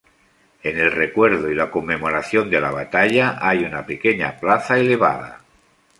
En el recuerdo y la conmemoración de la batalla, hay una pequeña plaza elevada.